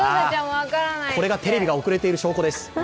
これがテレビが遅れている証拠です。